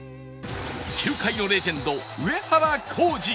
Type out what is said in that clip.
球界のレジェンド上原浩治